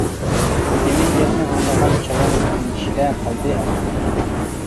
جىمى گەپنى ئاڭلىغان چايان ئەندىشىدە قالدى ئالدىراپ.